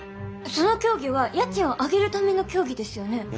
その協議は家賃を上げるための協議ですよね？